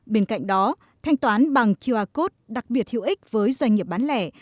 bên cạnh đó thanh toán bằng qr code đặc biệt hữu ích với doanh nghiệp bán lẻ